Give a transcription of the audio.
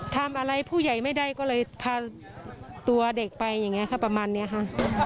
ทำอะไรผู้ใหญ่ไม่ได้ก็เลยพาตัวเด็กไปอย่างนี้ค่ะประมาณนี้ค่ะ